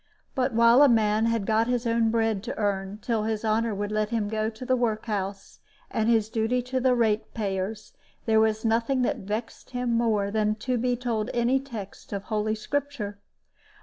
But while a man had got his own bread to earn, till his honor would let him go to the work house, and his duty to the rate payers, there was nothing that vexed him more than to be told any texts of Holy Scripture.